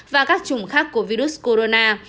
và các chủng khác của virus corona